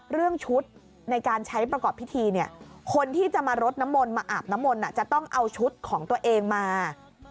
เรื่องชุดในการใช้ประกอบพิธีเนี่ยคนที่จะมารดน้ำมนต์มาอาบน้ำมนต์จะต้องเอาชุดของตัวเองมา